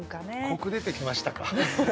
コク出てきましたか。